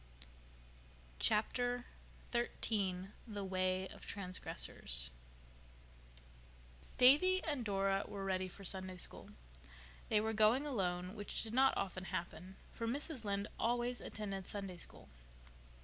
Chapter XIII The Way of Transgressors Davy and Dora were ready for Sunday School. They were going alone, which did not often happen, for Mrs. Lynde always attended Sunday School.